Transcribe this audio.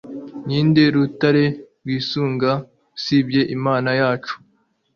ni nde rutare twisunga usibye imana yacu